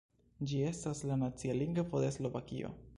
Ĝi estas la nacia lingvo de Slovakio.